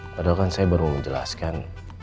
padahal kan saya baru menjelaskan